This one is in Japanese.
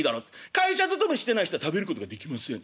「会社勤めしてない人は食べることができません」。